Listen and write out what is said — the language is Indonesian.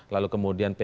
lalu kemudian p tiga